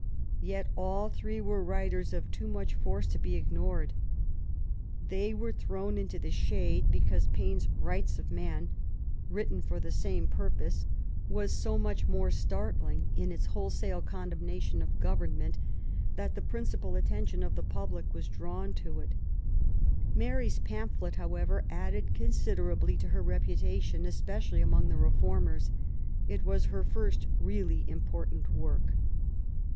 Yet all three were writers of too much force to be ignored. They were thrown into the shade because Paine's Rights of Man, written for the same purpose, 6 82 MARY W0LL8T0NEGEAFT GODWIN. was so mach more startling in its wholesale condemna* tion of goyemment that the principal attention of the public was drawn to it. Mary's pamphlet, however, added considerably to her reputation, especially among the reformers. It was her first really important work.